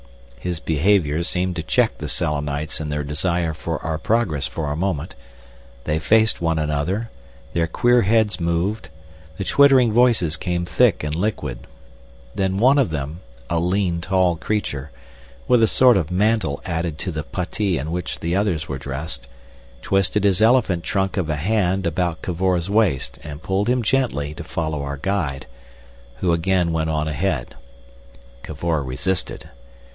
His behaviour seemed to check the Selenites in their desire for our progress for a moment. They faced one another, their queer heads moved, the twittering voices came quick and liquid. Then one of them, a lean, tall creature, with a sort of mantle added to the puttee in which the others were dressed, twisted his elephant trunk of a hand about Cavor's waist, and pulled him gently to follow our guide, who again went on ahead. Cavor resisted.